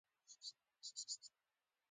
د عوایدو د محدودېدو مخه نیسي.